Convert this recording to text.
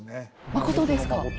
信ですか。